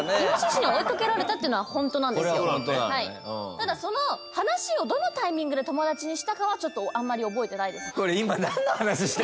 ただその話をどのタイミングで友達にしたかはちょっとあんまり覚えてないです。